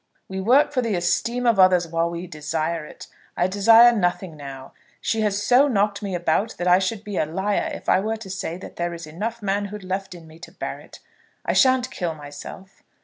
"We work for the esteem of others while we desire it. I desire nothing now. She has so knocked me about that I should be a liar if I were to say that there is enough manhood left in me to bear it. I shan't kill myself."